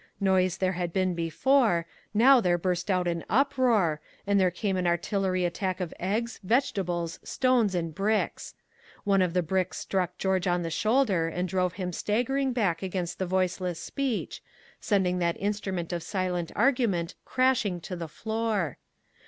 Noise there had been before; now there burst out an uproar, and there came an artillery attack of eggs, vegetables, stones and bricks. One of the bricks struck George on the shoulder and drove him staggering back against the Voiceless Speech, sending that instrument of silent argument crashing to the floor.